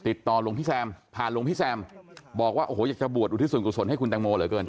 หลวงพี่แซมผ่านหลวงพี่แซมบอกว่าโอ้โหอยากจะบวชอุทิศส่วนกุศลให้คุณแตงโมเหลือเกิน